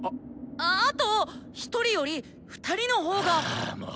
あと１人より２人の方が。はもう！